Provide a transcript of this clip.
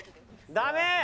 ダメ？